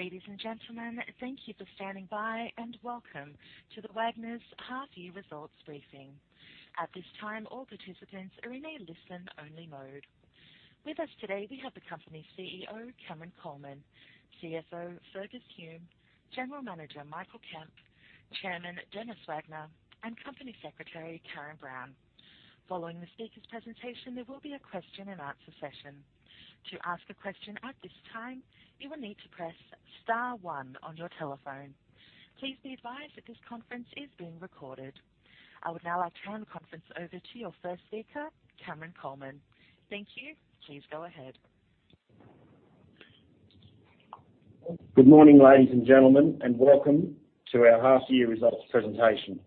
Ladies and gentlemen, thank you for standing by, and welcome to the Wagners half year results briefing. At this time all participants are in listen-only mode. With us today we have the company CEO, Cameron Coleman, CFO, Fergus Hume, General Manager, Michael Kemp, Chairman, Denis Wagner, and Company Secretary, Karen Brown. Following the speakers' presentation there will be a question-and-answer session. To ask a question at this time you will need to press star one on your telephone. Please be advised that this conference is being recorded. I will now like to turn the conference over to your first speaker Cameron Coleman. Thank you. Please go ahead. Good morning, ladies and gentlemen, welcome to our half year results presentation.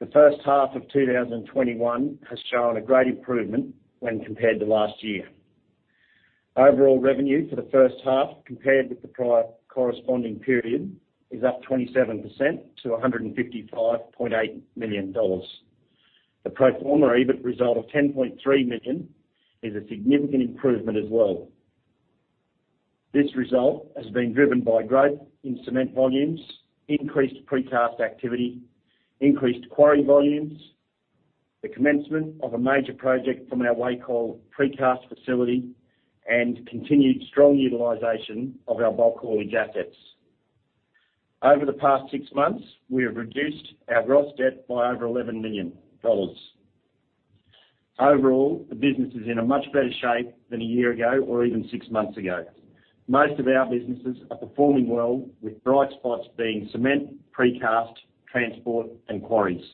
The first half of 2021 has shown a great improvement when compared to last year. Overall revenue for the first half compared with the prior corresponding period is up 27% to 155.8 million dollars. The pro forma EBIT result of 10.3 million is a significant improvement as well. This result has been driven by growth in cement volumes, increased precast activity, increased quarry volumes, the commencement of a major project from our Wacol Precast facility, and continued strong utilization of our bulk haulage assets. Over the past six months, we have reduced our gross debt by over 11 million dollars. Overall, the business is in a much better shape than a year ago or even six months ago. Most of our businesses are performing well with bright spots being cement, precast, transport, and quarries.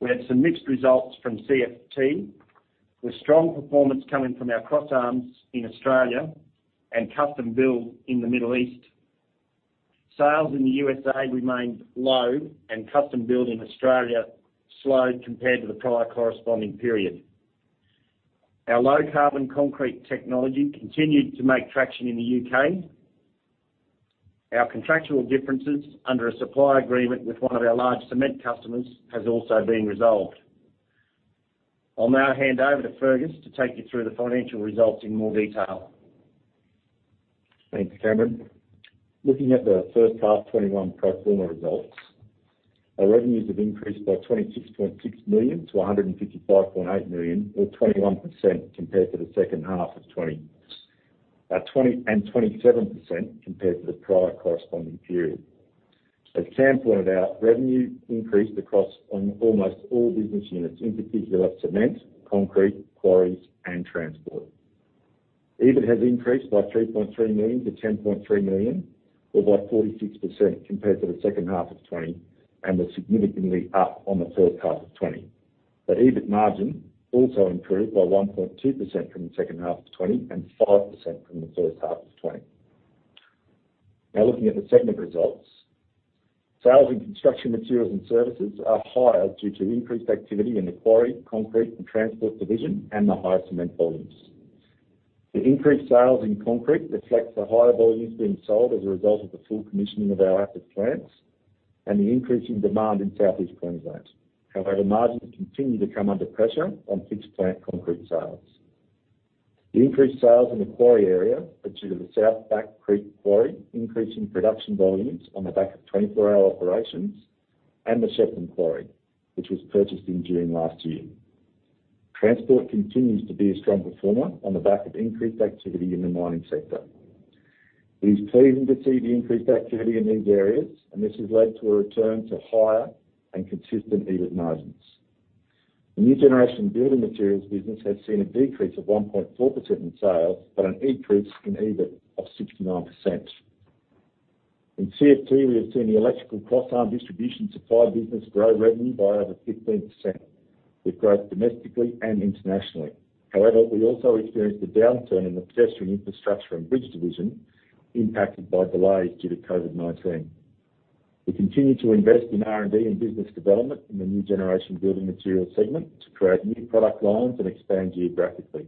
We had some mixed results from CFT, with strong performance coming from our cross arms in Australia and custom build in the Middle East. Sales in the U.S.A. remained low, and custom build in Australia slowed compared to the prior corresponding period. Our low carbon concrete technology continued to make traction in the U.K. Our contractual differences under a supply agreement with one of our large cement customers has also been resolved. I'll now hand over to Fergus to take you through the financial results in more detail. Thanks, Cameron. Looking at the first half 2021 pro forma results, our revenues have increased by 26.6 million-155.8 million, or 21% compared to the second half of 2020, and 27% compared to the prior corresponding period. As Cam pointed out, revenue increased across almost all business units, in particular cement, concrete, quarries, and transport. EBIT has increased by 3.3 million-10.3 million, or by 46% compared to the second half of 2020, and was significantly up on the first half of 2020. The EBIT margin also improved by 1.2% from the second half of 2020 and 5% from the first half of 2020. Now looking at the segment results. Sales in construction materials and services are higher due to increased activity in the quarry, concrete, and transport division and the higher cement volumes. The increased sales in concrete reflects the higher volumes being sold as a result of the full commissioning of our Apsat plants and the increase in demand in South East Queensland. However, margins continue to come under pressure on fixed plant concrete sales. The increased sales in the quarry area are due to the South Back Creek Quarry increasing production volumes on the back of 24-hour operations and the Shepton Quarry, which was purchased in June last year. Transport continues to be a strong performer on the back of increased activity in the mining sector. It is pleasing to see the increased activity in these areas, and this has led to a return to higher and consistent EBIT margins. The new generation building materials business has seen a decrease of 1.4% in sales, but an increase in EBIT of 69%. In CFT, we have seen the electrical cross arm distribution supply business grow revenue by over 15% with growth domestically and internationally. However, we also experienced a downturn in the pedestrian infrastructure and bridge division impacted by delays due to COVID-19. We continue to invest in R&D and business development in the new generation building materials segment to create new product lines and expand geographically.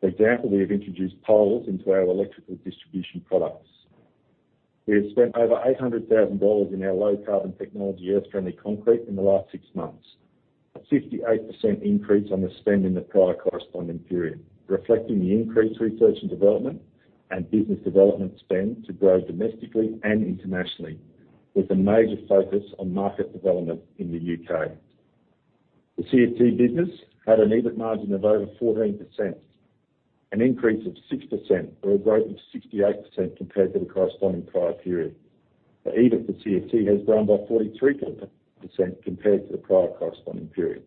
For example, we have introduced poles into our electrical distribution products. We have spent over 800,000 dollars in our low carbon technology, Earth Friendly Concrete in the last six months. A 68% increase on the spend in the prior corresponding period, reflecting the increased research and development and business development spend to grow domestically and internationally, with a major focus on market development in the U.K. The CFT business had an EBIT margin of over 14%, an increase of 6% or a growth of 68% compared to the corresponding prior period. The EBIT for CFT has grown by 43% compared to the prior corresponding period.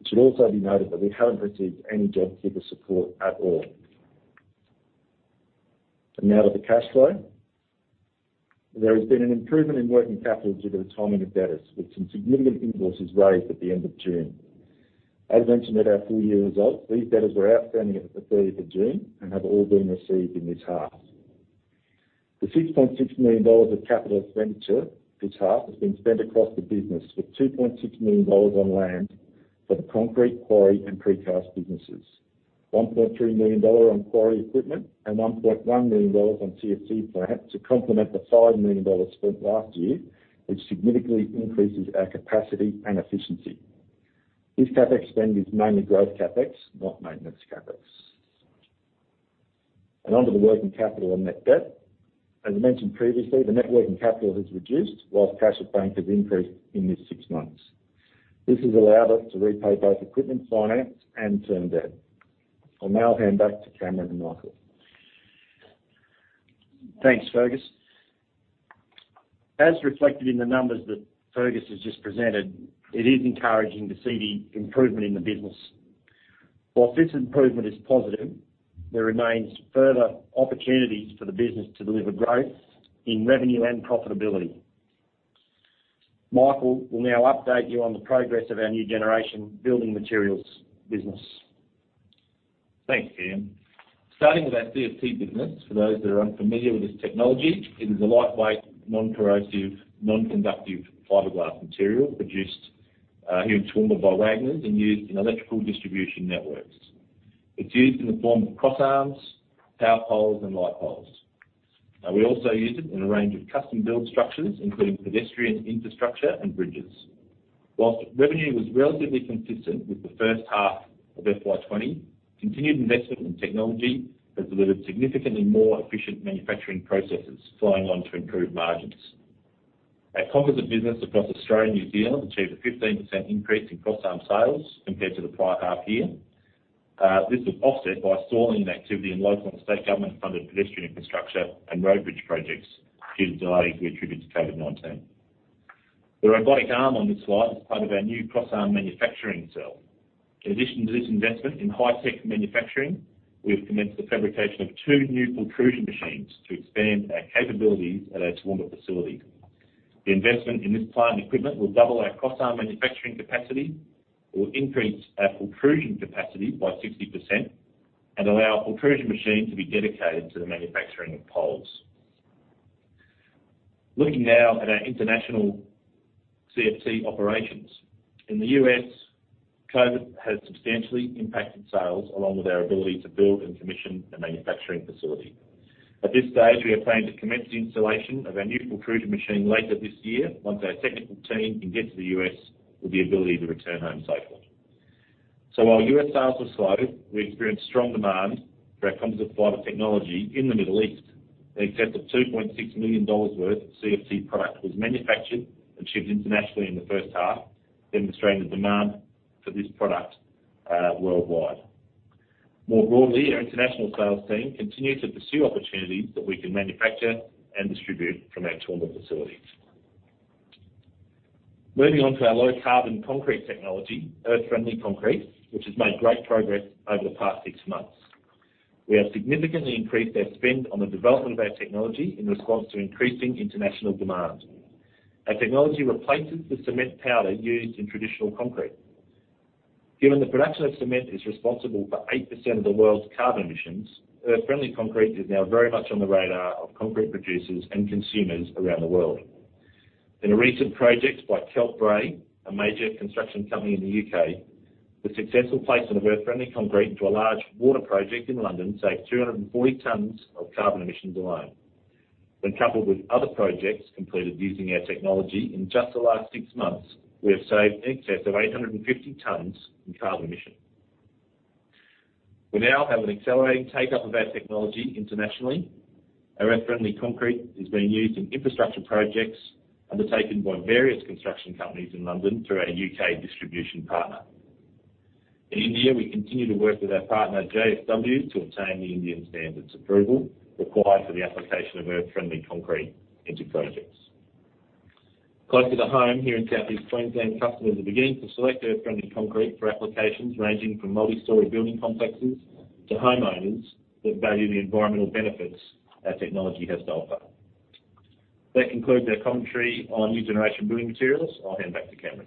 It should also be noted that we haven't received any JobKeeper support at all. Now to the cash flow. There has been an improvement in working capital due to the timing of debtors, with some significant invoices raised at the end of June. As mentioned at our full-year results, these debtors were outstanding at the 30th of June and have all been received in this half. The 6.6 million dollars of capital expenditure this half has been spent across the business with 2.6 million dollars on land for the concrete quarry and precast businesses, 1.3 million dollar on quarry equipment and 1.1 million dollars on CFT plant to complement the 5 million dollars spent last year, which significantly increases our capacity and efficiency. This CapEx spend is mainly growth CapEx, not maintenance CapEx. On to the working capital and net debt. As mentioned previously, the net working capital has reduced while cash at bank has increased in this six months. This has allowed us to repay both equipment finance and term debt. I'll now hand back to Cameron and Michael. Thanks, Fergus. As reflected in the numbers that Fergus has just presented, it is encouraging to see the improvement in the business. Whilst this improvement is positive, there remains further opportunities for the business to deliver growth in revenue and profitability. Michael will now update you on the progress of our new generation building materials business. Thanks, Cam. Starting with our CFT business, for those that are unfamiliar with this technology, it is a lightweight, non-corrosive, non-conductive fiberglass material produced here in Toowoomba by Wagners and used in electrical distribution networks. It's used in the form of cross arms, power poles, and light poles. We also use it in a range of custom-built structures, including pedestrian infrastructure and bridges. Whilst revenue was relatively consistent with the first half of FY 2020, continued investment in technology has delivered significantly more efficient manufacturing processes flowing on to improved margins. Our composite business across Australia and New Zealand achieved a 15% increase in cross-arm sales compared to the prior half year. This was offset by a stalling in activity in local and state government-funded pedestrian infrastructure and road bridge projects due to delays we attribute to COVID-19. The robotic arm on this slide is part of our new cross-arm manufacturing cell. In addition to this investment in high-tech manufacturing, we have commenced the fabrication of two new pultrusion machines to expand our capabilities at our Toowoomba facility. The investment in this plant equipment will double our cross-arm manufacturing capacity or increase our pultrusion capacity by 60% and allow our pultrusion machine to be dedicated to the manufacturing of poles. Looking now at our international CFT operations. In the U.S., COVID has substantially impacted sales along with our ability to build and commission a manufacturing facility. At this stage, we are planning to commence the installation of our new pultrusion machine later this year once our technical team can get to the U.S. with the ability to return home safely. While U.S. sales were slow, we experienced strong demand for our Composite Fibre Technology in the Middle East. In excess of 2.6 million dollars worth of CFT product was manufactured and shipped internationally in the first half, demonstrating the demand for this product worldwide. More broadly, our international sales team continue to pursue opportunities that we can manufacture and distribute from our Toowoomba facilities. Moving on to our low carbon concrete technology, Earth Friendly Concrete which has made great progress over the past six months. We have significantly increased our spend on the development of our technology in response to increasing international demand. Our technology replaces the cement powder used in traditional concrete. Given the production of cement is responsible for 8% of the world's carbon emissions, Earth Friendly Concrete is now very much on the radar of concrete producers and consumers around the world. In a recent project by Kier, a major construction company in the U.K., the successful placement of Earth Friendly Concrete into a large water project in London saved 240 tons of carbon emissions alone. When coupled with other projects completed using our technology in just the last six months, we have saved in excess of 850 tons in carbon emission. We now have an accelerating take-up of our technology internationally. Our Earth Friendly Concrete is being used in infrastructure projects undertaken by various construction companies in London through our U.K. distribution partner. In India, we continue to work with our partner, JSW, to obtain the Indian Standards approval required for the application of Earth Friendly Concrete into projects. Closer to home here in South East Queensland, customers are beginning to select Earth Friendly Concrete for applications ranging from multi-story building complexes to homeowners that value the environmental benefits our technology has to offer. That concludes our commentary on new generation building materials. I'll hand back to Cameron.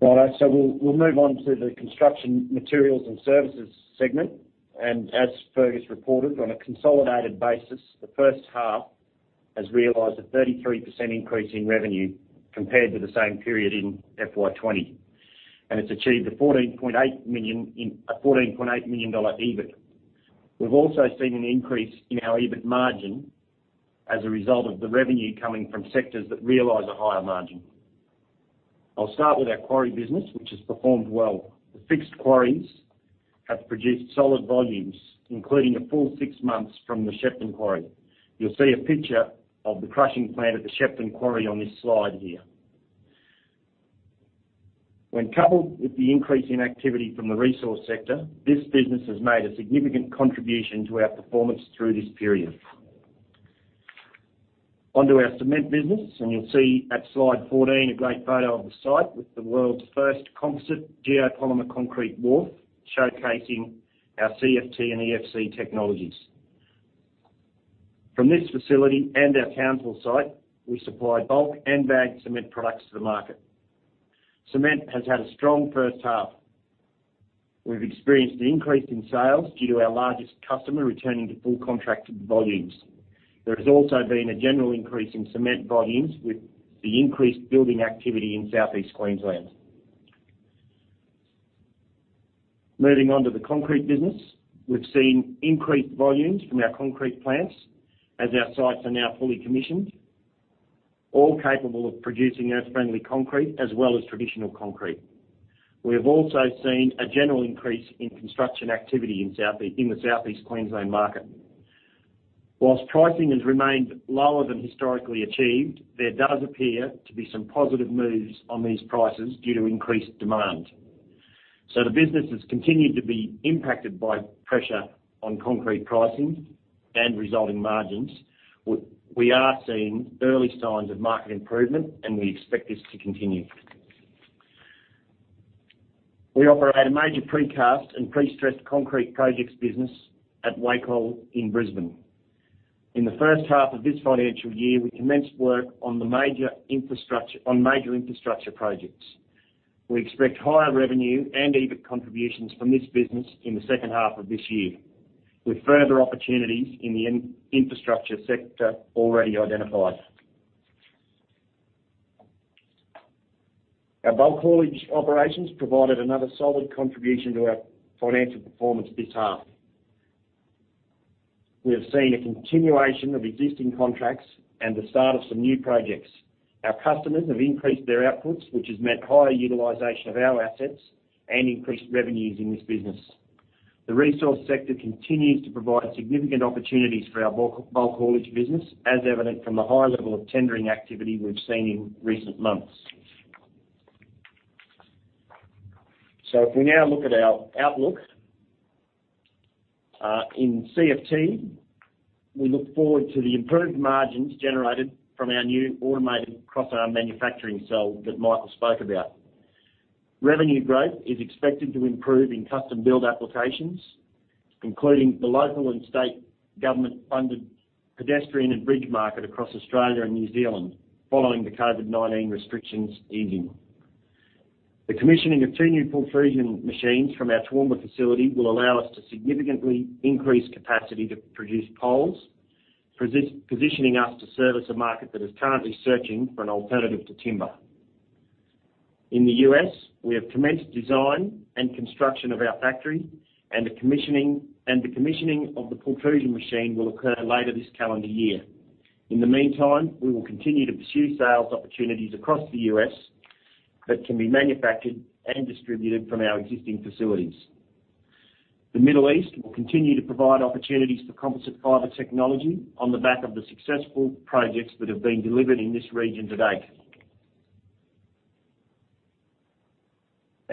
We'll move on to the construction materials and services segment. As Fergus reported, on a consolidated basis, the first half has realized a 33% increase in revenue compared to the same period in FY 2020, and it's achieved 14.8 million dollar EBIT. We've also seen an increase in our EBIT margin as a result of the revenue coming from sectors that realize a higher margin. I'll start with our quarry business, which has performed well. The fixed quarries have produced solid volumes, including a full six months from the Shepton Quarry. You'll see a picture of the crushing plant at the Shepton Quarry on this slide here. When coupled with the increase in activity from the resource sector, this business has made a significant contribution to our performance through this period. Onto our cement business. You'll see at slide 14, a great photo of the site with the world's first composite geopolymer concrete wharf showcasing our CFT and EFC technologies. From this facility and our Townsville site, we supply bulk and bagged cement products to the market. Cement has had a strong first half. We've experienced an increase in sales due to our largest customer returning to full contracted volumes. There has also been a general increase in cement volumes with the increased building activity in Southeast Queensland. Moving on to the concrete business. We've seen increased volumes from our concrete plants as our sites are now fully commissioned, all capable of producing Earth Friendly Concrete as well as traditional concrete. We have also seen a general increase in construction activity in the Southeast Queensland market. Whilst pricing has remained lower than historically achieved, there does appear to be some positive moves on these prices due to increased demand. The business has continued to be impacted by pressure on concrete pricing and resulting margins. We are seeing early signs of market improvement, and we expect this to continue. We operate a major precast and prestressed concrete projects business at Wacol in Brisbane. In the first half of this financial year, we commenced work on major infrastructure projects. We expect higher revenue and EBIT contributions from this business in the second half of this year, with further opportunities in the infrastructure sector already identified. Our bulk haulage operations provided another solid contribution to our financial performance this half. We have seen a continuation of existing contracts and the start of some new projects. Our customers have increased their outputs, which has meant higher utilization of our assets and increased revenues in this business. The resource sector continues to provide significant opportunities for our bulk haulage business, as evident from the high level of tendering activity we've seen in recent months. If we now look at our outlook. In CFT, we look forward to the improved margins generated from our new automated crossarm manufacturing cell that Michael spoke about. Revenue growth is expected to improve in custom build applications, including the local and state government-funded pedestrian and bridge market across Australia and New Zealand following the COVID-19 restrictions easing. The commissioning of two new pultrusion machines from our Toowoomba facility will allow us to significantly increase capacity to produce poles, positioning us to service a market that is currently searching for an alternative to timber. In the U.S., we have commenced design and construction of our factory, and the commissioning of the pultrusion machine will occur later this calendar year. In the meantime, we will continue to pursue sales opportunities across the U.S. that can be manufactured and distributed from our existing facilities. The Middle East will continue to provide opportunities for Composite Fibre Technology on the back of the successful projects that have been delivered in this region to date.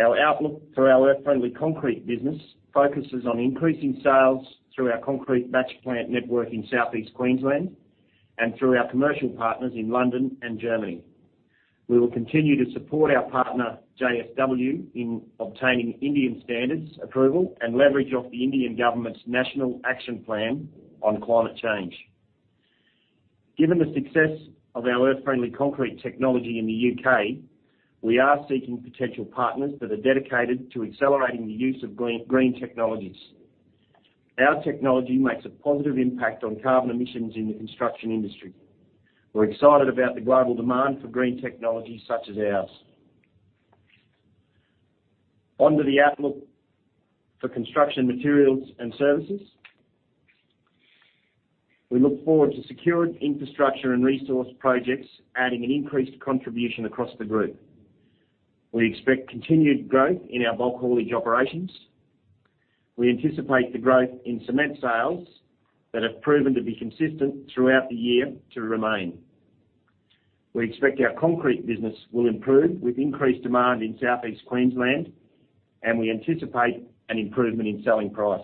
Our outlook for our Earth Friendly Concrete business focuses on increasing sales through our concrete batch plant network in Southeast Queensland and through our commercial partners in London and Germany. We will continue to support our partner, JSW, in obtaining Indian Standards approval and leverage off the Indian government's National Action Plan on Climate Change. Given the success of our Earth Friendly Concrete technology in the U.K., we are seeking potential partners that are dedicated to accelerating the use of green technologies. Our technology makes a positive impact on carbon emissions in the construction industry. We're excited about the global demand for green technology such as ours. On to the outlook for construction materials and services. We look forward to secured infrastructure and resource projects adding an increased contribution across the group. We expect continued growth in our bulk haulage operations. We anticipate the growth in cement sales that have proven to be consistent throughout the year to remain. We expect our concrete business will improve with increased demand in Southeast Queensland, and we anticipate an improvement in selling price.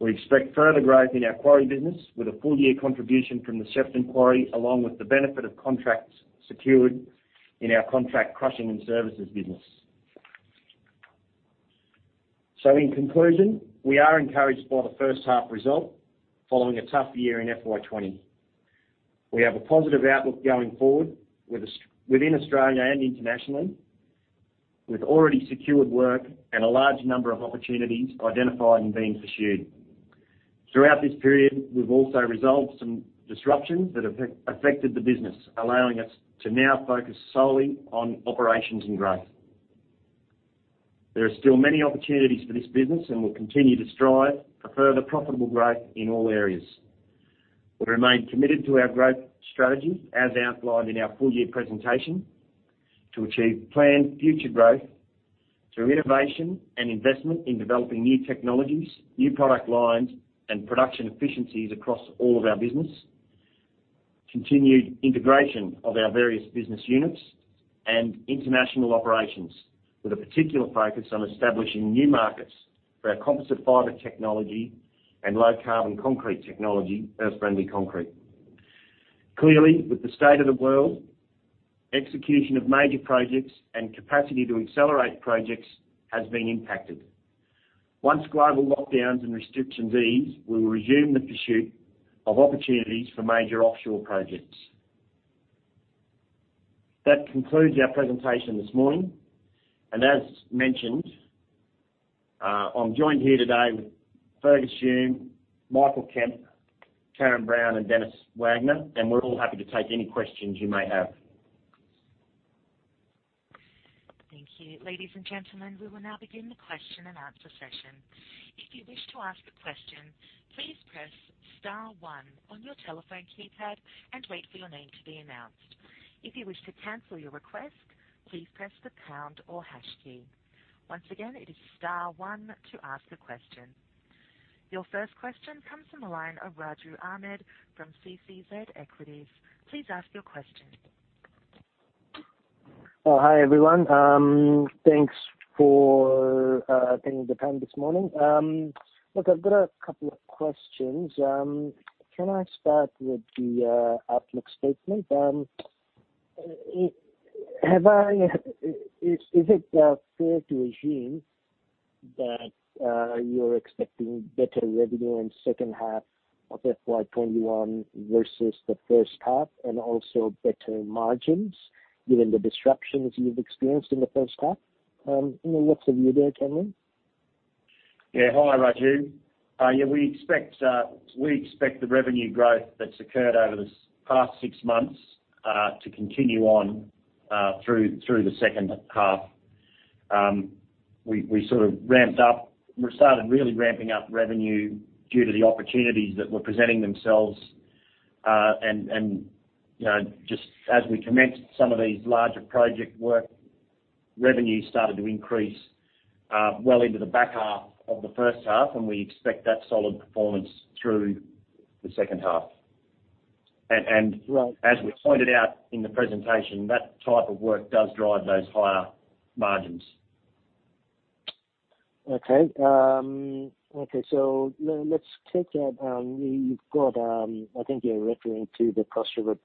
We expect further growth in our quarry business with a full-year contribution from the Shepton Quarry, along with the benefit of contracts secured in our contract crushing and services business. In conclusion, we are encouraged by the first half result following a tough year in FY 2020. We have a positive outlook going forward within Australia and internationally, with already secured work and a large number of opportunities identified and being pursued. Throughout this period, we've also resolved some disruptions that have affected the business, allowing us to now focus solely on operations and growth. There are still many opportunities for this business, and we'll continue to strive for further profitable growth in all areas. We remain committed to our growth strategy as outlined in our full-year presentation to achieve planned future growth through innovation and investment in developing new technologies, new product lines, and production efficiencies across all of our business, continued integration of our various business units and international operations, with a particular focus on establishing new markets for our Composite Fibre Technology and low carbon concrete technology, Earth Friendly Concrete. Clearly, with the state of the world, execution of major projects and capacity to accelerate projects has been impacted. Once global lockdowns and restrictions ease, we will resume the pursuit of opportunities for major offshore projects. That concludes our presentation this morning. As mentioned, I am joined here today with Fergus Hume, Michael Kemp, Karen Brown, and Denis Wagner. We are all happy to take any questions you may have. Thank you. Ladies and gentlemen, we will now begin the question-and-answer session. If you wish to ask a question, please press star one on your telephone keypad and wait for your name to be announced. If you wish to cancel your request, please press the pound or hash key. Once again, it is star one to ask a question. Your first question comes from the line of Raju Ahmed from CCZ Equities. Please ask your question. Hi, everyone. Thanks for taking the time this morning. I've got a couple of questions. Can I start with the outlook statement? Is it fair to assume that you're expecting better revenue in second half of FY 2021 versus the first half, and also better margins given the disruptions you've experienced in the first half? Any thoughts of you there, Cameron? Hi, Raju. We expect the revenue growth that's occurred over this past six months to continue on through the second half. We started really ramping up revenue due to the opportunities that were presenting themselves. Just as we commenced some of these larger project work, revenue started to increase well into the back half of the first half, and we expect that solid performance through the second half. Right. As we pointed out in the presentation, that type of work does drive those higher margins. Okay. Let's take that. I think you're referring to the Cross River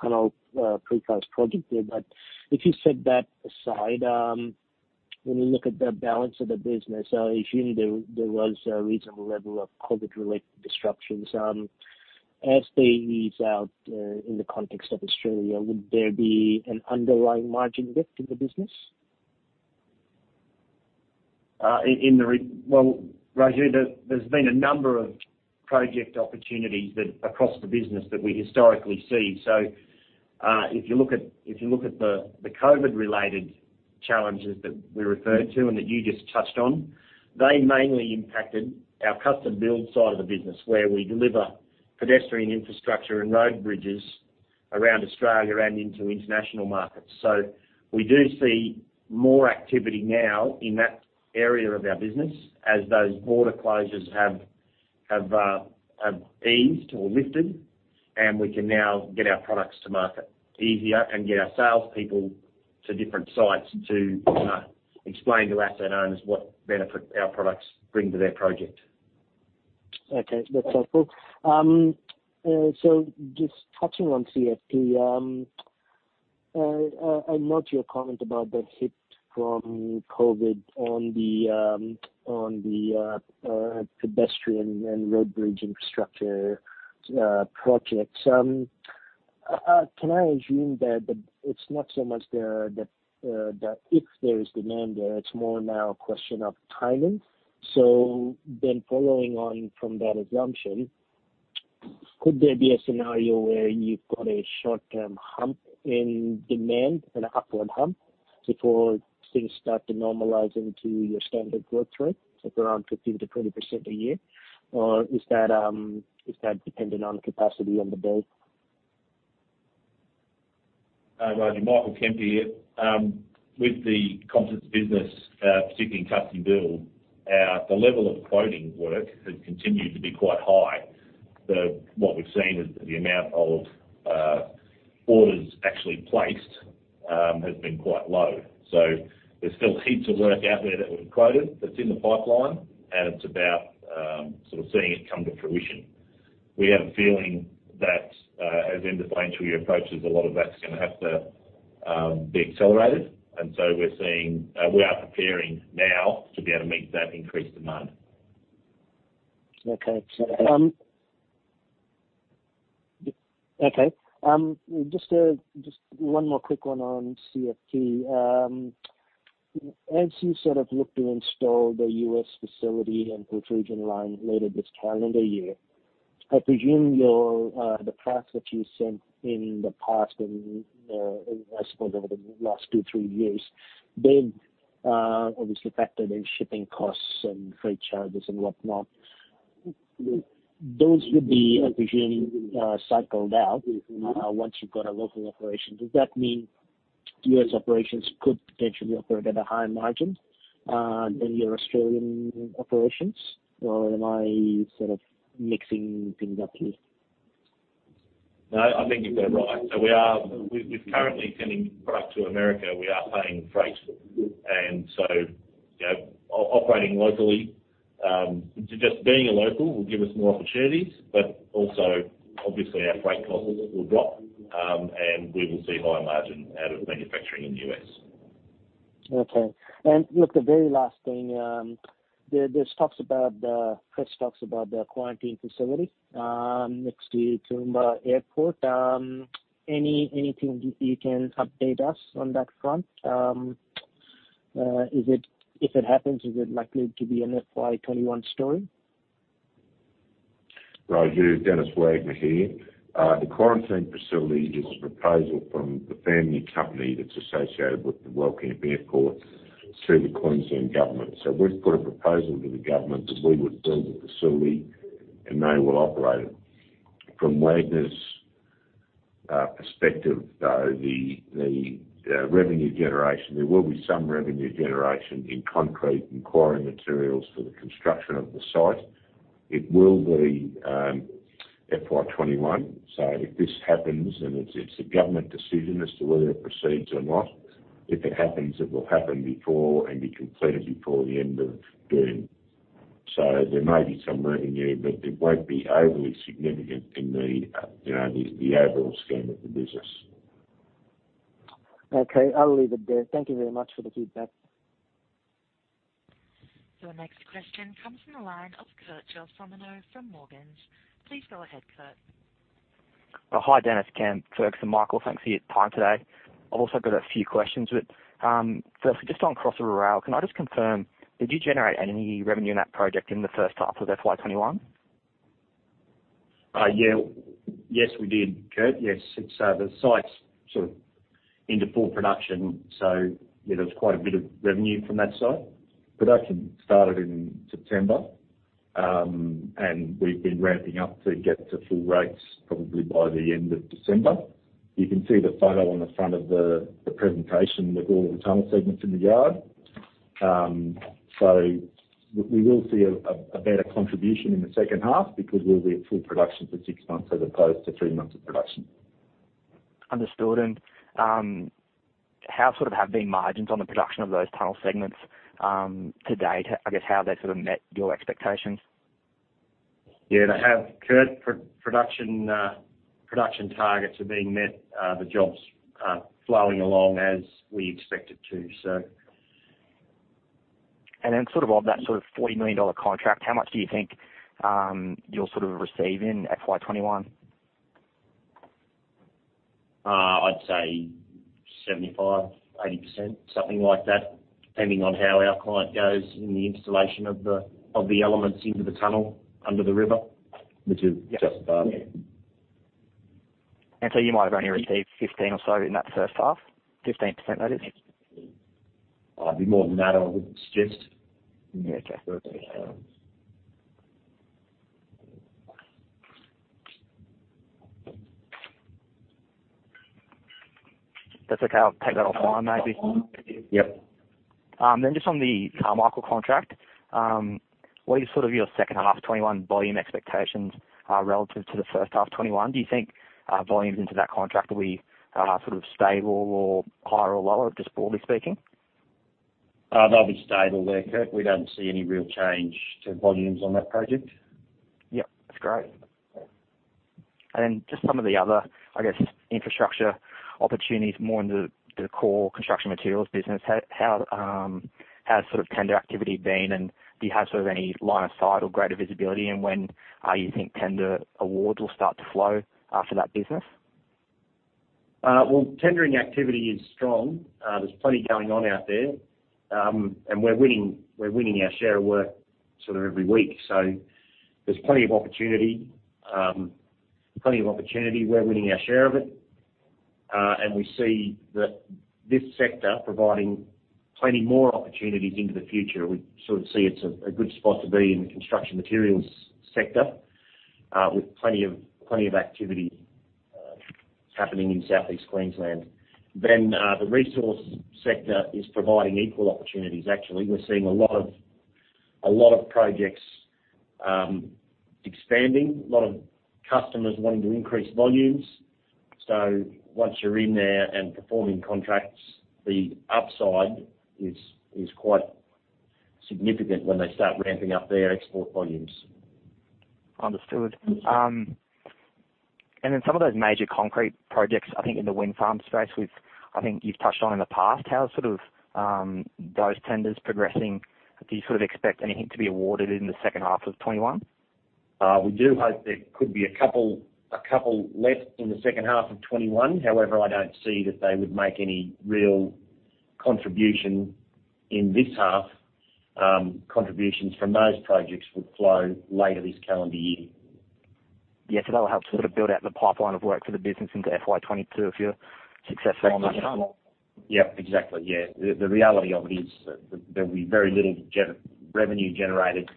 Tunnel Precast project there. If you set that aside, when you look at the balance of the business, I assume there was a reasonable level of COVID-related disruptions. As they ease out in the context of Australia, would there be an underlying margin lift in the business? Well, Raju, there has been a number of project opportunities across the business that we historically see. If you look at the COVID-related challenges that we referred to and that you just touched on, they mainly impacted our custom build side of the business, where we deliver pedestrian infrastructure and road bridges around Australia and into international markets. We do see more activity now in that area of our business as those border closures have eased or lifted, and we can now get our products to market easier and get our salespeople to different sites to explain to asset owners what benefit our products bring to their project. Okay, that's helpful. Just touching on CFT, I note your comment about the hit from COVID on the pedestrian and road bridge infrastructure projects. Can I assume that it's not so much that if there is demand there, it's more now a question of timing? Following on from that assumption, could there be a scenario where you've got a short-term hump in demand and an upward hump before things start to normalize into your standard growth rate, so around 15%-20% a year? Or is that dependent on capacity on the build? Hi, Raju. Michael Kemp here. With the Composite Fibre Technology business, particularly in custom build, the level of quoting work has continued to be quite high. What we've seen is the amount of orders actually placed has been quite low. There's still heaps of work out there that we've quoted that's in the pipeline, and it's about sort of seeing it come to fruition. We have a feeling that, as end of financial year approaches, a lot of that's going to have to be accelerated. We are preparing now to be able to meet that increased demand. Just one more quick one on CFT. As you sort of look to install the U.S. facility and pultrusion line later this calendar year, I presume the price that you sent in the past and, I suppose, over the last two, three years, they've obviously factored in shipping costs and freight charges and whatnot. Those would be, I presume, cycled out once you've got a local operation. Does that mean U.S. operations could potentially operate at a higher margin than your Australian operations? Am I sort of mixing things up here? No, I think you're right. We're currently sending product to America. We are paying freight. Operating locally, just being a local will give us more opportunities, but also obviously our freight costs will drop, and we will see higher margins out of manufacturing in the U.S. Okay. Look, the very last thing, there is press talks about the quarantine facility next to Toowoomba Airport. Anything you can update us on that front? If it happens, is it likely to be an FY 2021 story? Raju, Denis Wagner here. The quarantine facility is a proposal from the family company that's associated with the Wellcamp Airport through the Queensland Government. We've put a proposal to the government that we would build the facility, and they will operate it. From Wagners' perspective, though, the revenue generation, there will be some revenue generation in concrete and quarry materials for the construction of the site. It will be FY 2021. If this happens, and it's a government decision as to whether it proceeds or not, if it happens, it will happen before and be completed before the end of June. There may be some revenue, but it won't be overly significant in the overall scheme of the business. Okay, I'll leave it there. Thank you very much for the feedback. Your next question comes from the line of Kurt Gelsomino from Morgans. Please go ahead, Kurt. Hi, Denis, Cam, Ferg, and Michael. Thanks for your time today. I've also got a few questions. Firstly, just on Cross River Rail, can I just confirm, did you generate any revenue in that project in the first half of FY 2021? Yes, we did, Kurt. The site's into full production, there was quite a bit of revenue from that site. Production started in September, we've been ramping up to get to full rates probably by the end of December. You can see the photo on the front of the presentation with all the tunnel segments in the yard. We will see a better contribution in the second half because we'll be at full production for six months as opposed to three months of production. Understood. How have been margins on the production of those tunnel segments to date? I guess, how have they met your expectations? Yeah, they have, Kurt. Production targets are being met. The jobs are flowing along as we expect it to. Of that 40 million dollar contract, how much do you think you'll receive in FY 2021? I'd say 75%, 80%, something like that, depending on how our client goes in the installation of the elements into the tunnel under the river. Yeah. Which is just starting. You might have only received 15 or so in that first half? 15%, that is. It'd be more than that, I would suggest. Yeah. Okay. That's okay, I'll take that offline maybe. Yep. Just on the Carmichael contract, what are your second half 2021 volume expectations relative to the first half 2021? Do you think volumes into that contract will be stable or higher or lower, just broadly speaking? They'll be stable there, Kurt. We don't see any real change to volumes on that project. Yep. That's great. Just some of the other, I guess, infrastructure opportunities more in the core construction materials business. How has tender activity been, and do you have any line of sight or greater visibility in when you think tender awards will start to flow for that business? Tendering activity is strong. There's plenty going on out there. We're winning our share of work every week. There's plenty of opportunity. Plenty of opportunity. We're winning our share of it. We see that this sector providing plenty more opportunities into the future. We see it's a good spot to be in the construction materials sector, with plenty of activity happening in Southeast Queensland. The resource sector is providing equal opportunities, actually. We're seeing a lot of projects expanding, a lot of customers wanting to increase volumes. Once you're in there and performing contracts, the upside is quite significant when they start ramping up their export volumes. Understood. Some of those major concrete projects, I think, in the wind farm space, I think you've touched on in the past. How are those tenders progressing? Do you expect anything to be awarded in the second half of 2021? We do hope there could be a couple let in the second half of 2021. However, I don't see that they would make any real contribution in this half. Contributions from those projects would flow later this calendar year. That'll help build out the pipeline of work for the business into FY 2022 if you're successful in those. Yeah, exactly. Yeah. The reality of it is that there'll be very little revenue generated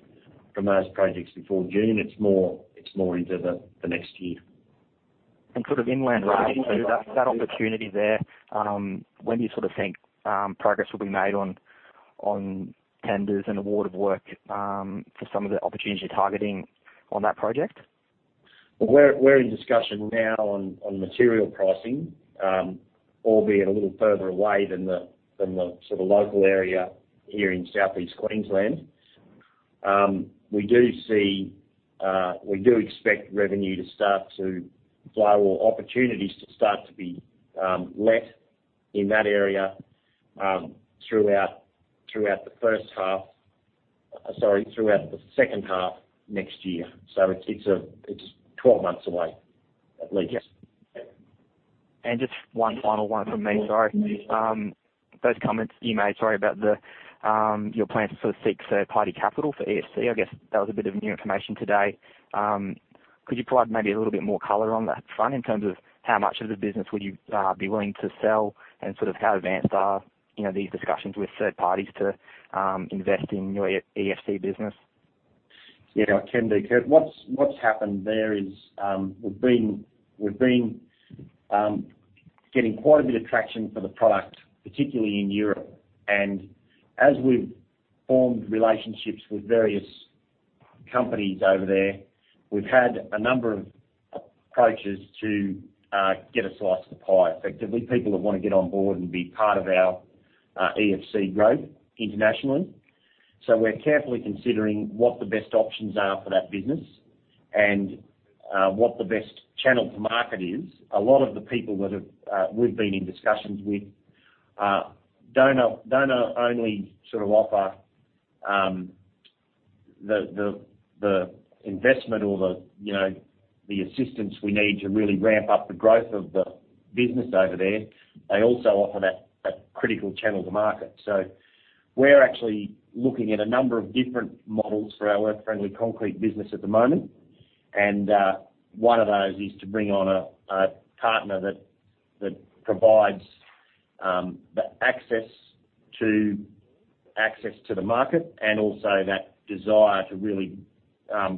from those projects before June. It's more into the next year. Inland Rail, that opportunity there, when do you think progress will be made on tenders and award of work for some of the opportunities you're targeting on that project? We're in discussion now on material pricing, albeit a little further away than the local area here in Southeast Queensland. We do expect revenue to start to flow or opportunities to start to be let in that area throughout the second half next year. It's 12 months away, at least. Just one final one from me. Sorry. Those comments you made about your plans to seek third-party capital for EFC, I guess that was a bit of new information today. Could you provide maybe a little bit more color on that front in terms of how much of the business would you be willing to sell and how advanced are these discussions with third parties to invest in your EFC business? Yeah, can do, Kurt. What's happened there is we've been getting quite a bit of traction for the product, particularly in Europe. As we've formed relationships with various companies over there, we've had a number of approaches to get a slice of the pie, effectively. People that want to get on board and be part of our EFC growth internationally. We're carefully considering what the best options are for that business and what the best channel to market is. A lot of the people that we've been in discussions with don't only offer the investment or the assistance we need to really ramp up the growth of the business over there. They also offer that critical channel to market. We're actually looking at a number of different models for our Earth Friendly Concrete business at the moment. One of those is to bring on a partner that provides the access to the market and also that desire to really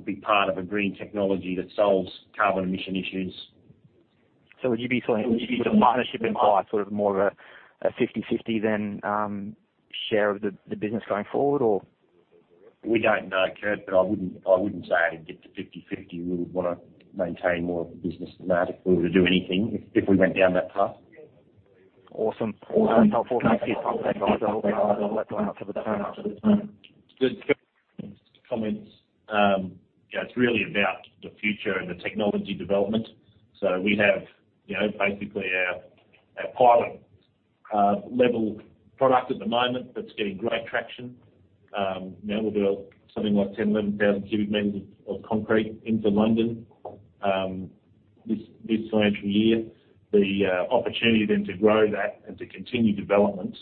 be part of a green technology that solves carbon emission issues. Would a partnership imply more of a 50/50, then, share of the business going forward, or? We don't know, Kurt, but I wouldn't say it'd get to 50/50. We would want to maintain more of the business than that if we were to do anything, if we went down that path. Awesome. Comments. It's really about the future and the technology development. We have basically our pilot level product at the moment that's getting great traction. We'll do something like 10,000, 11,000 cubic meters of concrete into London this financial year. The opportunity then to grow that and to continue development,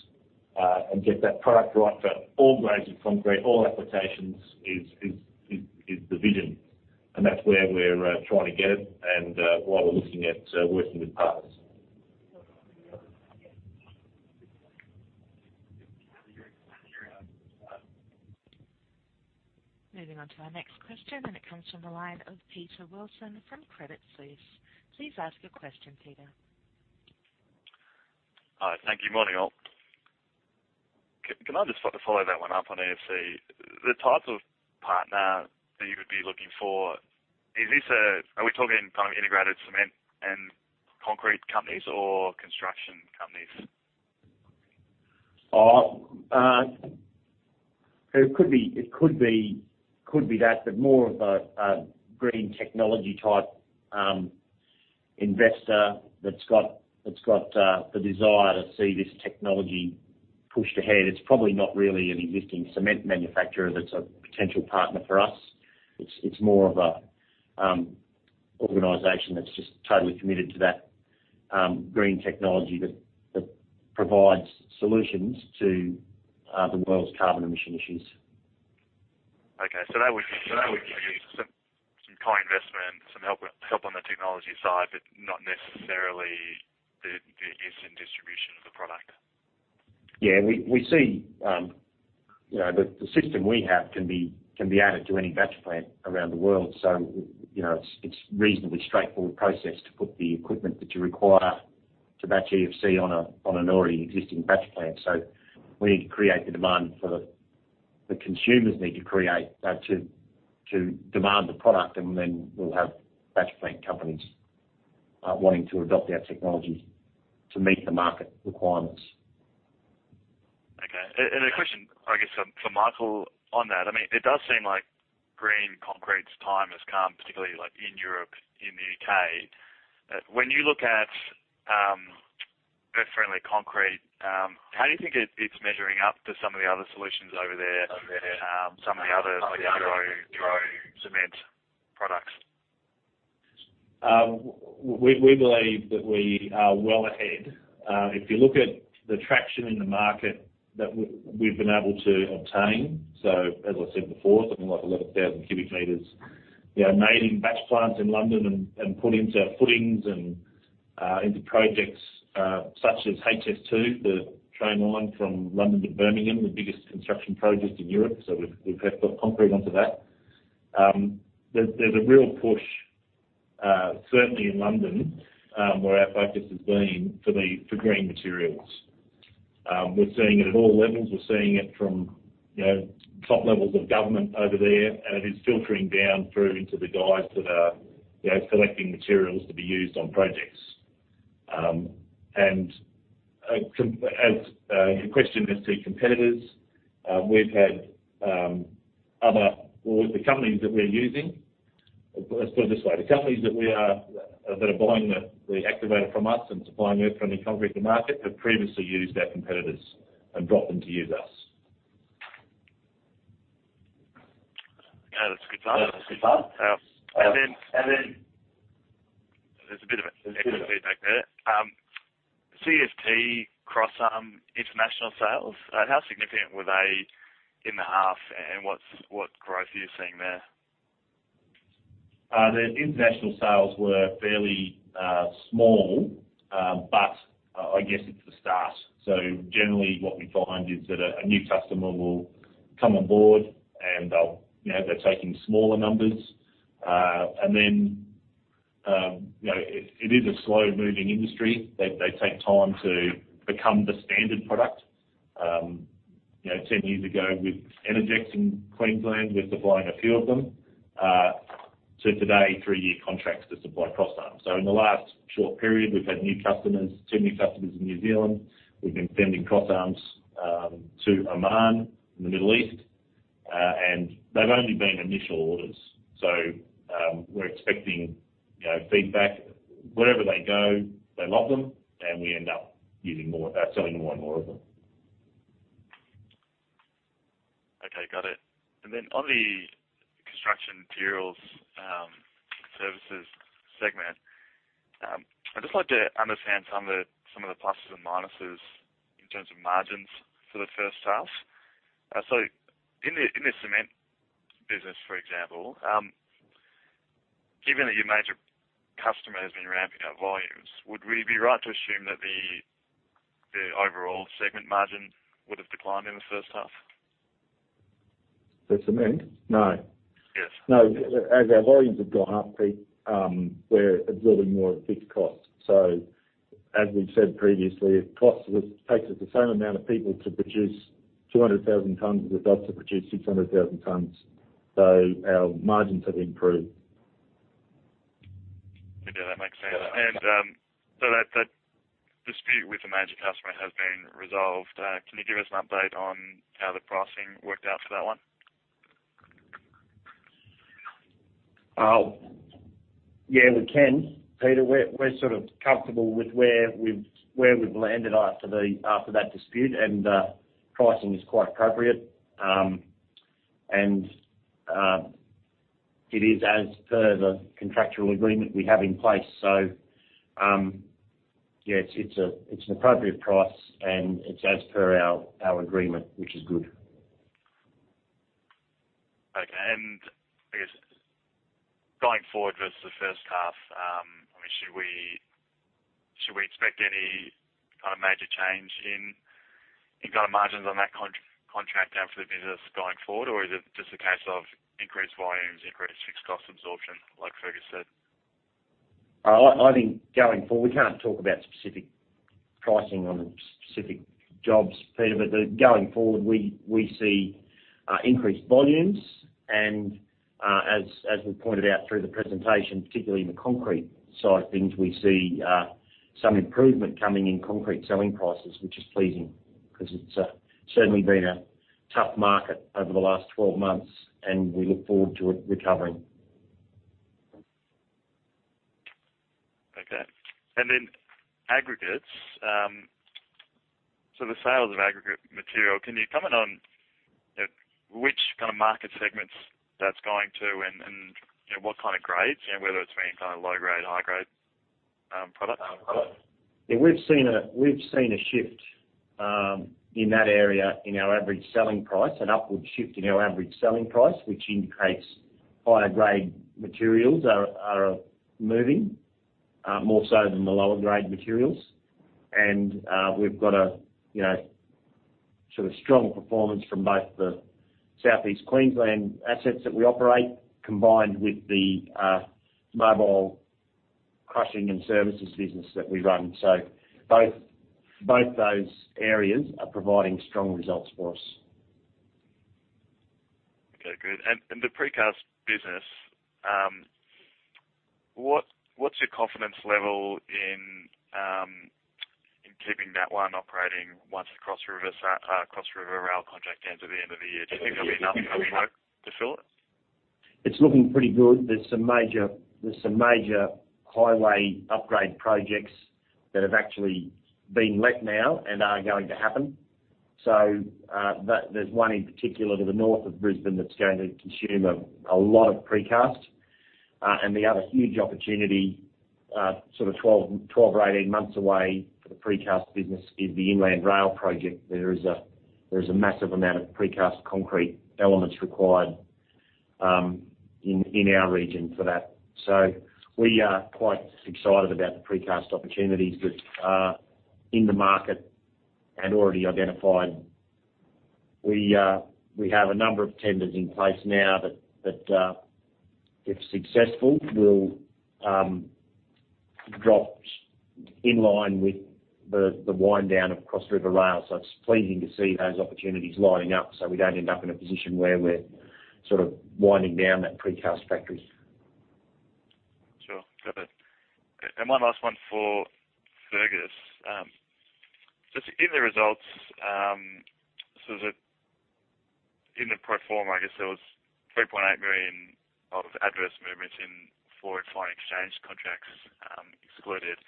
and get that product right for all grades of concrete, all applications is the vision. That's where we're trying to get it and why we're looking at working with partners. Moving on to our next question, and it comes from the line of Peter Wilson from Credit Suisse. Please ask your question, Peter. Hi. Thank you. Morning, all. Can I just follow that one up on EFC? The type of partner that you would be looking for, are we talking integrated cement and concrete companies or construction companies? It could be that, but more of a green technology type investor that's got the desire to see this technology pushed ahead. It's probably not really an existing cement manufacturer that's a potential partner for us. It's more of an organization that's just totally committed to that green technology that provides solutions to the world's carbon emission issues. Okay. That would be some co-investment, some help on the technology side, but not necessarily the use and distribution of the product. Yeah. The system we have can be added to any batch plant around the world. It's a reasonably straightforward process to put the equipment that you require to batch EFC on an already existing batch plant. We need to create the demand. The consumers need to demand the product. We'll have batch plant companies wanting to adopt our technology to meet the market requirements. Okay. A question, I guess, for Michael on that. It does seem like green concrete's time has come, particularly in Europe, in the U.K. When you look at Earth Friendly Concrete, how do you think it's measuring up to some of the other solutions over there? Some of the other zero cement products? We believe that we are well ahead. If you look at the traction in the market that we've been able to obtain, as I said before, something like 11,000 cubic meters made in batch plants in London and put into footings and into projects such as HS2, the train line from London to Birmingham, the biggest construction project in Europe. We've put concrete onto that. There's a real push, certainly in London, where our focus has been for green materials. We're seeing it at all levels. We're seeing it from top levels of government over there, it is filtering down through into the guys that are selecting materials to be used on projects. As your question as to competitors, let's put it this way. The companies that are buying the activator from us and supplying Earth Friendly Concrete to market have previously used our competitors and dropped them to use us. Good bud. Good bud. There's a bit of an echo feedback there. CFT Cross Arm international sales, how significant were they in the half and what growth are you seeing there? The international sales were fairly small, but I guess it's the start. Generally what we find is that a new customer will come on board and they're taking smaller numbers. It is a slow-moving industry. They take time to become the standard product. 10 years ago with Energex in Queensland, we're supplying a few of them. To today, three-year contracts to supply cross arms. In the last short period, we've had two new customers in New Zealand. We've been sending cross arms to Oman in the Middle East, and they've only been initial orders. We're expecting feedback. Wherever they go, they love them, and we end up selling more and more of them. Okay, got it. On the construction materials services segment, I'd just like to understand some of the pluses and minuses in terms of margins for the first half. In the cement business, for example, given that your major customer has been ramping up volumes, would we be right to assume that the overall segment margin would have declined in the first half? The cement? No. Yes. No. As our volumes have gone up, Peter, we're absorbing more fixed costs. As we've said previously, it takes us the same amount of people to produce 200,000 tons as it does to produce 600,000 tons. Our margins have improved. Yeah, that makes sense. That dispute with the major customer has been resolved. Can you give us an update on how the pricing worked out for that one? Yeah, we can, Peter. We're sort of comfortable with where we've landed after that dispute, and pricing is quite appropriate. It is as per the contractual agreement we have in place. Yeah, it's an appropriate price and it's as per our agreement, which is good. Okay. I guess going forward versus the first half, should we expect any kind of major change in margins on that contract now for the business going forward? Is it just a case of increased volumes, increased fixed cost absorption, like Fergus said? I think going forward, we can't talk about specific pricing on specific jobs, Peter. Going forward, we see increased volumes and as we pointed out through the presentation, particularly in the concrete side of things, we see some improvement coming in concrete selling prices, which is pleasing because it's certainly been a tough market over the last 12 months, and we look forward to it recovering. Okay. Then aggregates. The sales of aggregate material, can you comment on which kind of market segments that's going to and what kind of grades, and whether it's been low grade and high grade product? Yeah. We've seen a shift in that area in our average selling price, an upward shift in our average selling price, which indicates higher grade materials are moving more so than the lower grade materials. We've got a sort of strong performance from both the Southeast Queensland assets that we operate, combined with the mobile crushing and services business that we run. Both those areas are providing strong results for us. Okay, good. The precast business, what's your confidence level in keeping that one operating once the Cross River Rail contract ends at the end of the year? Do you think there'll be enough incoming work to fill it? It's looking pretty good. There's some major highway upgrade projects that have actually been let now and are going to happen. There's one in particular to the north of Brisbane that's going to consume a lot of precast. The other huge opportunity, sort of 12 or 18 months away for the precast business is the Inland Rail project. There is a massive amount of precast concrete elements required in our region for that. We are quite excited about the precast opportunities that are in the market and already identified. We have a number of tenders in place now that if successful, will drop in line with the wind down of Cross River Rail. It's pleasing to see those opportunities lining up so we don't end up in a position where we're sort of winding down that precast factory. Sure. Got it. One last one for Fergus. Just in the results, in the pro forma, I guess there was 3.8 million of adverse movements in foreign exchange contracts excluded.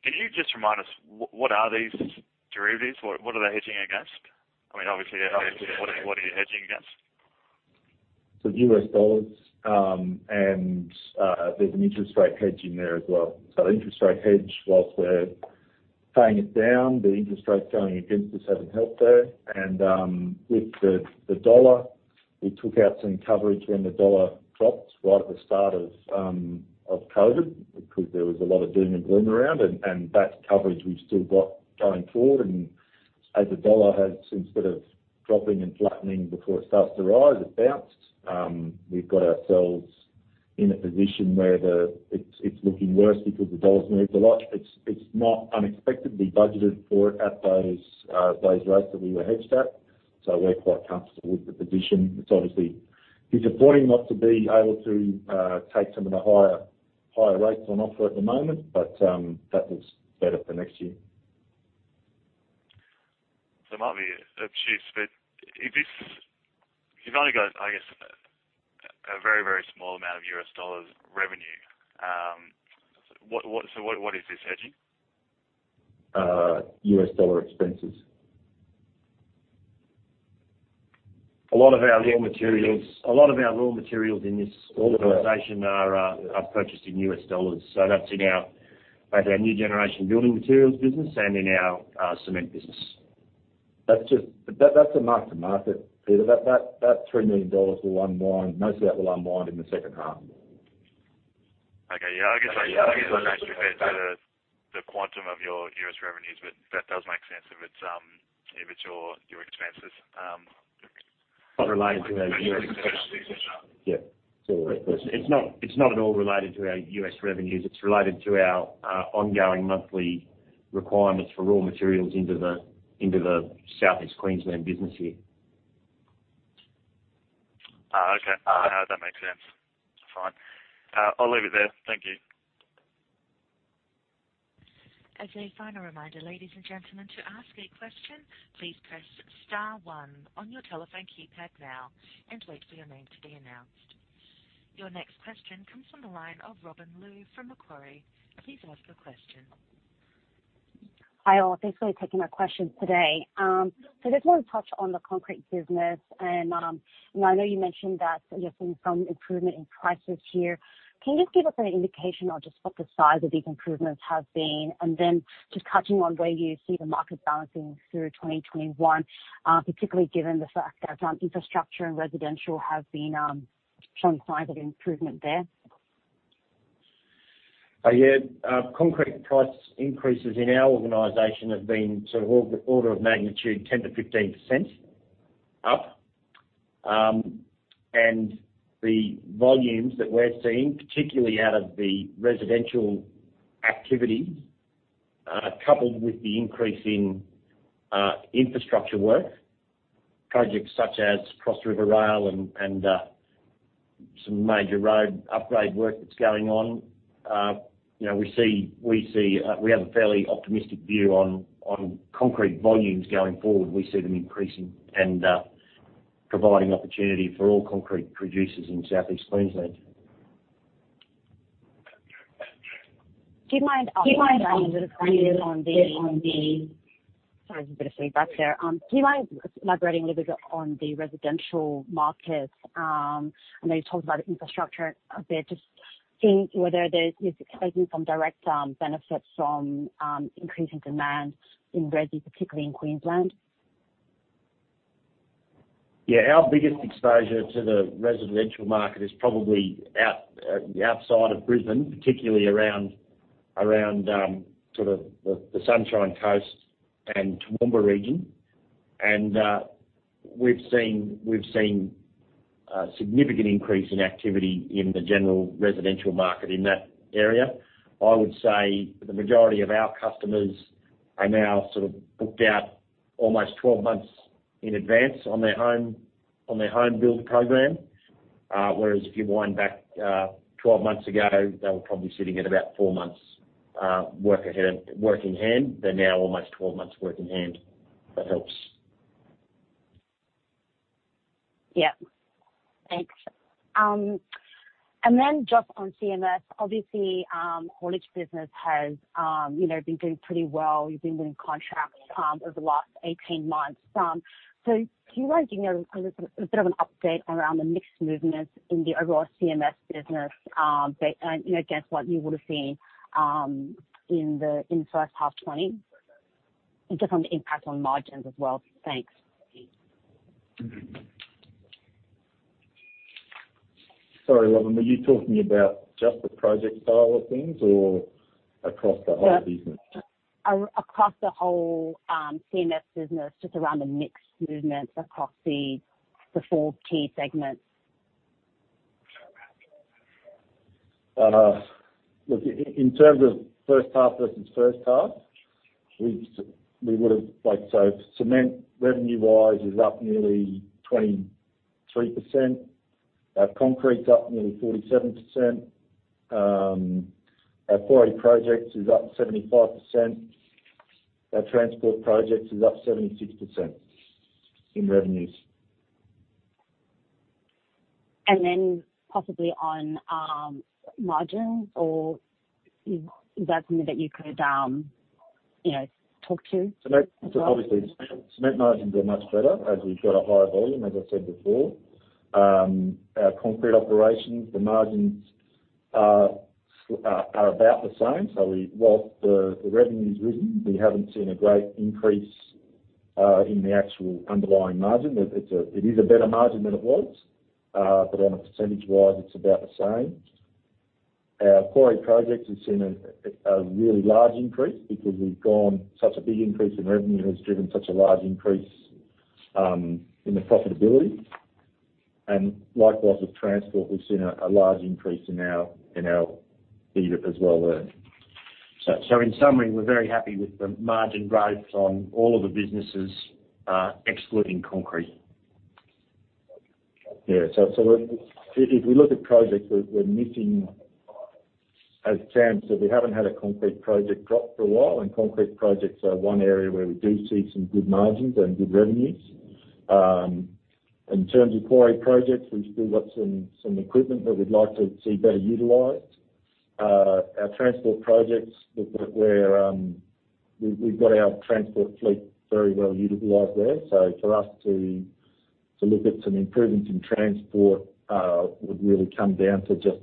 Can you just remind us what are these derivatives? What are they hedging against? What are you hedging against? US dollars, and there's an interest rate hedge in there as well. The interest rate hedge, whilst we're paying it down, the interest rate going against us hasn't helped there. With the dollar, we took out some coverage when the dollar dropped right at the start of COVID, because there was a lot of doom and gloom around. That coverage, we've still got going forward. As the dollar has, instead of dropping and flattening before it starts to rise, it bounced. We've got ourselves in a position where it's looking worse because the dollar's moved a lot. It's not unexpectedly budgeted for at those rates that we were hedged at. We're quite comfortable with the position. It's obviously disappointing not to be able to take some of the higher rates on offer at the moment, but that looks better for next year. It might be obtuse, but if you've only got, I guess, a very small amount of US dollars revenue, so what is this hedging? US dollar expenses. A lot of our raw materials in this organization are purchased in US dollars. That's in both our new generation building materials business and in our cement business. That's a mark to market, Peter. That $3 million will unwind. Most of that will unwind in the second half. Okay. Yeah, I guess the quantum of your U.S. revenues, but that does make sense if it's your expenses. Not related to our U.S. Yeah. It's not at all related to our U.S. revenues. It's related to our ongoing monthly requirements for raw materials into the Southeast Queensland business here. Okay. That makes sense. Fine. I'll leave it there. Thank you. As a final reminder ladies and gentlemen, to ask a question please press star one on your telephone keypad now and wait for your name to be announced. Your next question comes from the line of Robin Lu from Macquarie. Please ask your question. Hi all. Thanks for taking my questions today. I just want to touch on the concrete business. I know you mentioned that you're seeing some improvement in prices here. Can you just give us an indication on just what the size of these improvements have been, and just touching on where you see the market balancing through 2021, particularly given the fact that infrastructure and residential have shown signs of improvement there? Yeah. Concrete price increases in our organization have been order of magnitude 10%-15% up. The volumes that we're seeing, particularly out of the residential activities, coupled with the increase in infrastructure work, projects such as Cross River Rail and some major road upgrade work that's going on. We have a fairly optimistic view on concrete volumes going forward. We see them increasing and providing opportunity for all concrete producers in Southeast Queensland. Sorry, there's a bit of feedback there. Do you mind elaborating a little bit on the residential market? I know you talked about infrastructure a bit, just seeing whether there is exposure from direct benefits from increasing demand in resi, particularly in Queensland. Yeah, our biggest exposure to the residential market is probably outside of Brisbane, particularly around the Sunshine Coast and Toowoomba region. We've seen a significant increase in activity in the general residential market in that area. I would say the majority of our customers are now booked out almost 12 months in advance on their home build program. Whereas if you wind back 12 months ago, they were probably sitting at about four months work in hand. They're now almost 12 months work in hand. That helps. Yeah. Thanks. Just on CMS, obviously, haulage business has been doing pretty well. You've been winning contracts over the last 18 months. Do you mind giving a bit of an update around the mix movements in the overall CMS business, against what you would have seen in the first half 2020? Just on the impact on margins as well. Thanks. Sorry, Robin, were you talking about just the project style of things or across the whole business? Across the whole CMS business, just around the mix movements across the four key segments. Look, in terms of first half versus first half, cement revenue-wise is up nearly 23%. Our concrete's up nearly 47%. Our quarry projects is up 75%. Our transport projects is up 76% in revenues. Possibly on margins, or is that something that you could talk to as well? Obviously, cement margins are much better as we've got a higher volume, as I said before. Our concrete operations, the margins are about the same. Whilst the revenue's risen, we haven't seen a great increase in the actual underlying margin. It is a better margin than it was, but on a percentage-wise, it's about the same. Our quarry projects have seen a really large increase because we've gone such a big increase in revenue that has driven such a large increase in the profitability. Likewise with transport, we've seen a large increase in our EBIT as well earned. In summary, we're very happy with the margin growth on all of the businesses, excluding concrete. Yeah. If we look at projects, we're missing, as Cam said, we haven't had a concrete project drop for a while, and concrete projects are one area where we do see some good margins and good revenues. In terms of quarry projects, we've still got some equipment that we'd like to see better utilized. Our transport projects, we've got our transport fleet very well utilized there. For us to look at some improvements in transport would really come down to just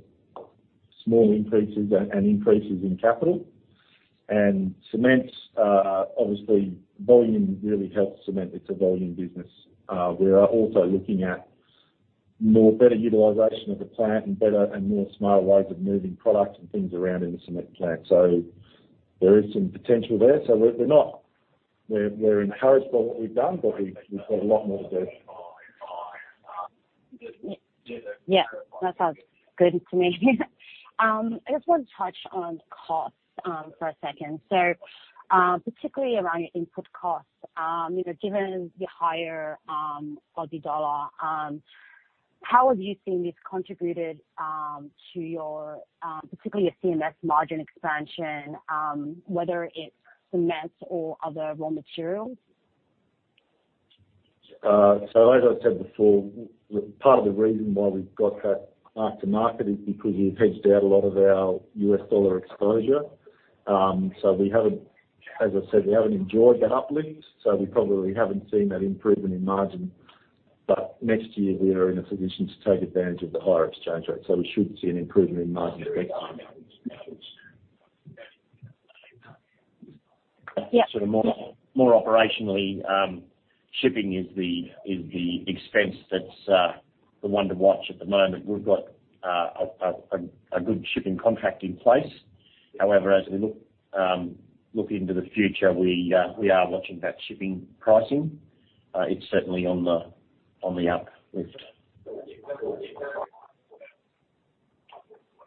small increases and increases in capital. Cement, obviously volume really helps cement. It's a volume business. We are also looking at better utilization of the plant and more smarter ways of moving product and things around in the cement plant. There is some potential there. We're encouraged by what we've done, but we've got a lot more to do. Yeah. That sounds good to me. I just want to touch on costs for a second. Particularly around your input costs, given the higher Aussie dollar, how have you seen this contributed to your, particularly your CMS margin expansion, whether it's cement or other raw materials? As I said before, part of the reason why we've got that mark to market is because we've hedged out a lot of our U.S. dollar exposure. As I said, we haven't enjoyed that uplift, we probably haven't seen that improvement in margin. Next year we are in a position to take advantage of the higher exchange rate. We should see an improvement in margin next financial year. Yeah. Sort of more operationally, shipping is the expense that's the one to watch at the moment. We've got a good shipping contract in place. However, as we look into the future, we are watching that shipping pricing. It's certainly on the uplift.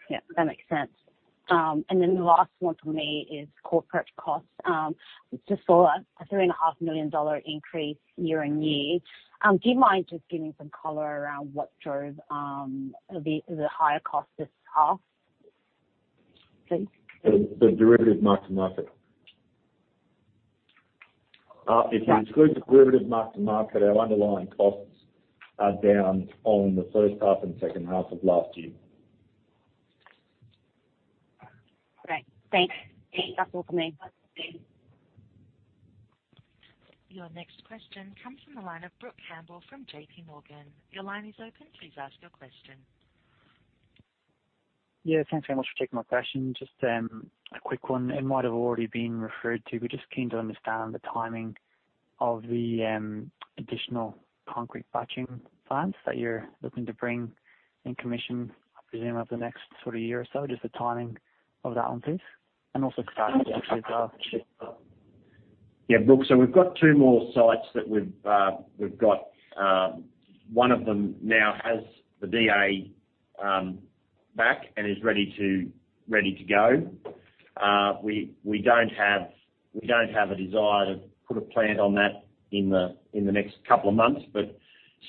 Yeah, that makes sense. The last one from me is corporate costs. Just saw an 3.5 million dollar increase year-on-year. Do you mind just giving some color around what drove the higher cost this half, please? The derivative mark to market. If you exclude the derivative mark to market, our underlying costs are down on the first half and second half of last year. Great. Thanks. That's all from me. Your next question comes from the line of Brook Campbell from JPMorgan. Yeah, thanks very much for taking my question. Just a quick one, it might have already been referred to, we're just keen to understand the timing of the additional concrete batching plants that you're looking to bring in commission, I presume over the next sort of year or so. Just the timing of that one, please, also actually. Yeah, Brook. We have two more sites. One of them now has the DA back and is ready to go. We don't have a desire to put a plant on that in the next couple of months, but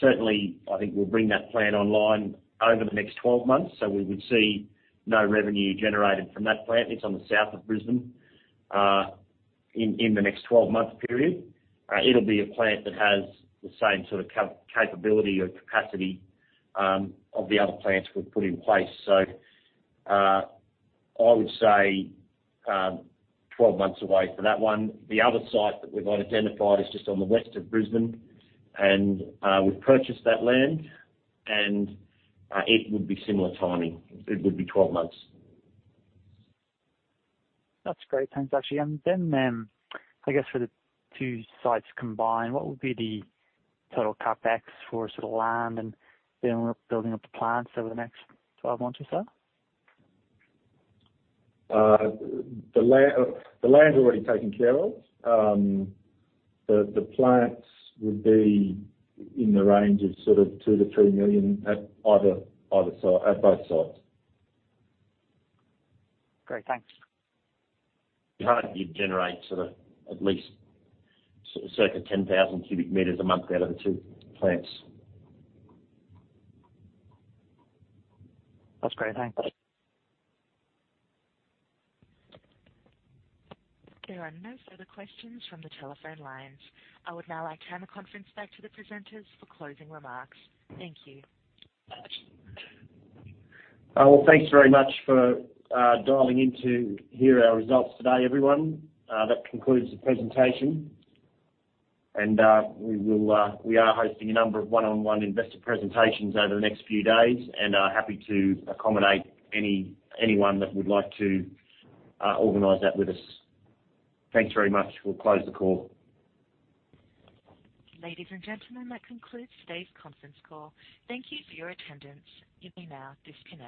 certainly, I think we'll bring that plant online over the next 12 months. We would see no revenue generated from that plant. It's on the south of Brisbane, in the next 12-month period. It'll be a plant that has the same sort of capability or capacity of the other plants we've put in place. I would say 12 months away for that one. The other site that we've identified is just on the west of Brisbane, and we've purchased that land, and it would be similar timing. It would be 12 months. That's great. Thanks, actually. Then, I guess for the two sites combined, what would be the total CapEx for sort of land and then building up the plants over the next 12 months or so? The land's already taken care of. The plants would be in the range of sort of 2 million-3 million at both sites. Great. Thanks. You'd generate sort of at least circa 10,000 cubic meters a month out of the two plants. That's great. Thanks. There are no further questions from the telephone lines. I would now like to hand the conference back to the presenters for closing remarks. Thank you. Well, thanks very much for dialing in to hear our results today, everyone. That concludes the presentation. We are hosting a number of one-on-one investor presentations over the next few days and are happy to accommodate anyone that would like to organize that with us. Thanks very much. We'll close the call. Ladies and gentlemen, that concludes today's conference call. Thank you for your attendance. You may now disconnect.